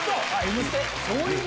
『Ｍステ』！